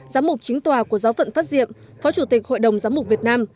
giám mục chính tòa của giáo phận phát diệm phó chủ tịch hội đồng giám mục việt nam